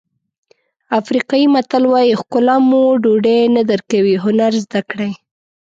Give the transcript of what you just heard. افریقایي متل وایي ښکلا مو ډوډۍ نه درکوي هنر زده کړئ.